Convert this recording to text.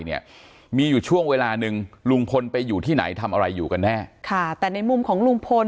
เนี่ยมีอยู่ช่วงเวลาหนึ่งลุงพลไปอยู่ที่ไหนทำอะไรอยู่กันแน่ค่ะแต่ในมุมของลุงพล